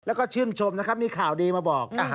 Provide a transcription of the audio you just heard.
แล้วก็ชื่นชมนะครับมีข่าวดีมาบอก